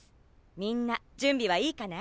みんな準備はいいかな？